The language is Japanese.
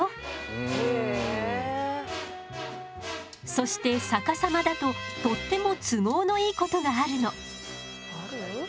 そして逆さまだととっても都合のいいことがあるの。